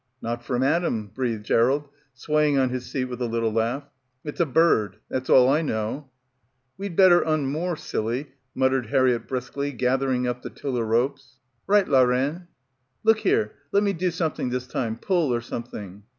"Not from Adam," breathed Gerald, swaying on his seat with a little laugh. "It's a bird. That's all I know." "We'd better unmoor, silly," muttered Har* riett briskly, gathering up the tiller ropes. — 196 — BACKWATER "Right, la reine." "Look here, let me do something this time, pull or something."